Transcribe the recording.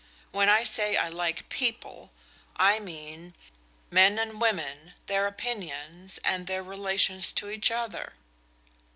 When I say I like 'people,' I mean men and women, their opinions and their relations to each other."